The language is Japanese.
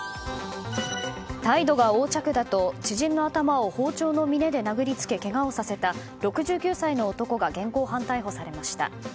態度が横着だと知人の頭を包丁の峰で殴りつけけがをさせた６９歳の男が現行犯逮捕されました。